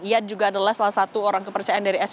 ia juga adalah salah satu orang kepercayaan dari sby